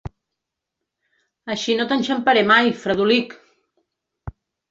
Així no t'enxamparé mai, Fredolic!